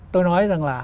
tôi nói rằng là